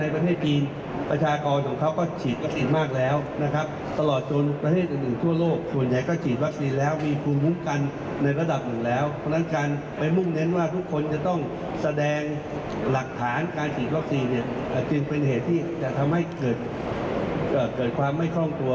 เพราะฉะนั้นการฉีดวัคซีนจึงเป็นเหตุที่จะทำให้เกิดความไม่คล่องตัว